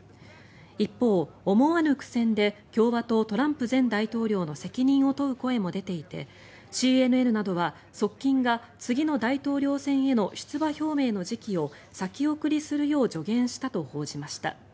一方、思わぬ苦戦で共和党、トランプ前大統領の責任を問う声も出ていてＣＮＮなどは側近が次の大統領選への出馬表明の時期を先送りするよう助言したと報じました。